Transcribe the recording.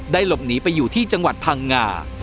หลบหนีไปอยู่ที่จังหวัดพังงา